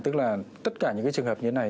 tức là tất cả những trường hợp như thế này